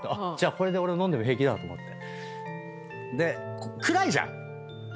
これで俺飲んでも平気だと思って。